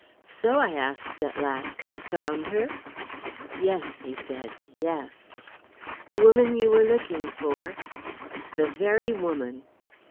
"'So,' I asked at last, 'you've found her?' "'Yes,' he said; 'yes.' "'The woman you were looking for?' "'The very woman.'